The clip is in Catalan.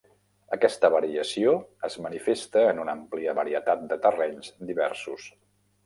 Aquesta variació es manifesta en una àmplia varietat de terrenys diversos.